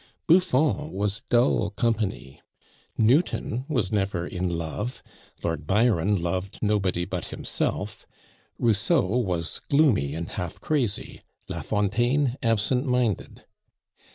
Buffon was dull company; Newton was never in love; Lord Byron loved nobody but himself; Rousseau was gloomy and half crazy; La Fontaine absent minded.